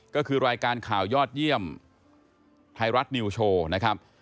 ก็คือรายการข่าวยอดเยี่ยมไทยรัฐนิวโชว์นะครับ